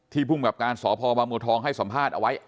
ที่ภูมิกับการสพบทให้สัมภาษณ์เอาไว้